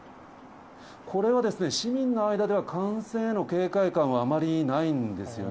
これはですね、市民の間では感染への警戒感はあまりないんですよね。